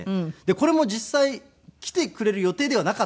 これも実際来てくれる予定ではなかったんですよ。